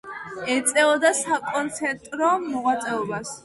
ეწეოდა საკონცერტო მოღვაწეობას.